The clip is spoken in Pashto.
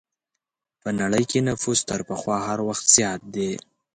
په نړۍ کې نفوس تر پخوا هر وخت زیات دی.